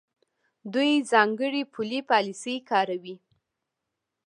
دوی ځانګړې پولي پالیسۍ کاروي.